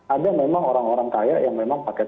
ada memang orang orang kaya yang memang paket